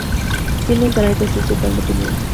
Tiene un carácter principal de opinión.